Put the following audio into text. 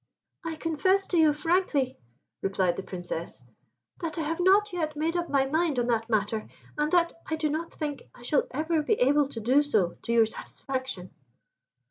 "I confess to you, frankly," replied the Princess, "that I have not yet made up my mind on that matter, and that I do not think I shall ever be able to do so to your satisfaction."